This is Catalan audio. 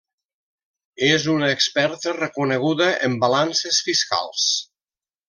És una experta reconeguda en balances fiscals.